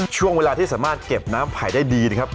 ช่วงเวลาที่สามารถเก็บน้ำไผ่ได้ดีนะครับ